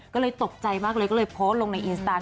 ก็เลยตกใจมากเลยก็เลยโพสต์ลงในอินสตาน